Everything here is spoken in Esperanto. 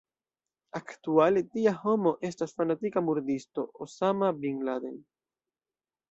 Aktuale tia homo estas fanatika murdisto Osama bin Laden.